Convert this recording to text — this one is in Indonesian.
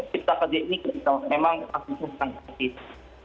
kita ketika ini memang harus fokuskan ke situ